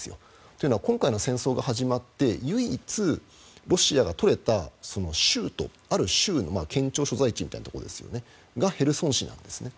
というのは今回の戦争が始まって唯一ロシアが取れた州都ある州の県庁所在地みたいなところですがヘルソン市なんですね。